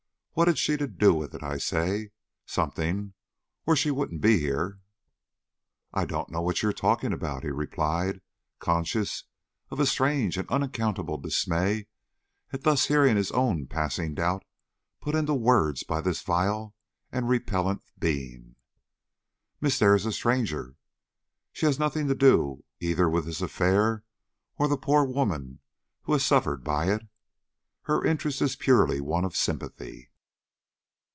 What had she to do with it, I say? Something, or she wouldn't be here!" "I don't know what you are talking about," he replied, conscious of a strange and unaccountable dismay at thus hearing his own passing doubt put into words by this vile and repellent being. "Miss Dare is a stranger. She has nothing to do either with this affair or the poor woman who has suffered by it. Her interest is purely one of sympathy."